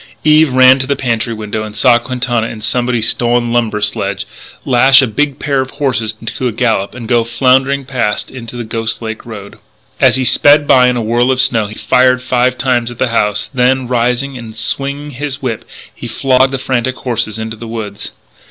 Eve ran to the pantry window and saw Quintana in somebody's stolen lumber sledge, lash a big pair of horses to a gallop and go floundering past into the Ghost Lake road. As he sped by in a whirl of snow he fired five times at the house, then, rising and swinging his whip, he flogged the frantic horses into the woods.